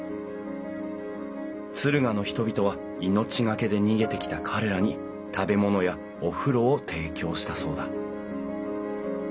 敦賀の人々は命懸けで逃げてきた彼らに食べ物やお風呂を提供したそうだ